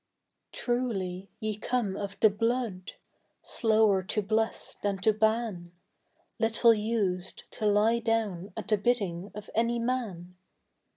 Truly ye come of The Blood; slower to bless than to ban; Little used to lie down at the bidding of any man.